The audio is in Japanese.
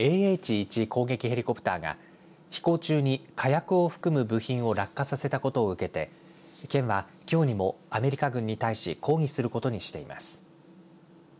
１攻撃ヘリコプターが飛行中に火薬を含む部品を落下させたことを受けて県はきょうにもアメリカ軍に対し抗議することにしています。